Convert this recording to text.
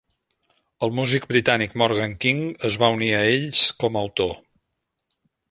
El músic britànic Morgan King es va unir a ells com a autor.